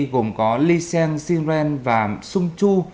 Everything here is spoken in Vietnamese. gồm có lysen siren và sungchu